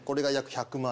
１００万！？